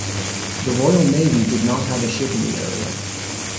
The Royal Navy did not have a ship in the area.